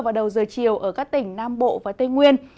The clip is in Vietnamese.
vào đầu giờ chiều ở các tỉnh nam bộ và tây nguyên